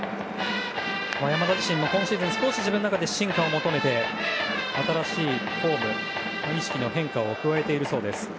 山田自身も今シーズン自分で進化を求めて新しいフォーム、意識の変化を加えているそうです。